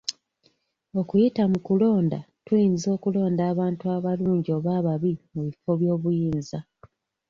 Okuyita mu kulonda, Tuyinza okulonda abantu abalungi oba ababi mu bifo by'obuyinza.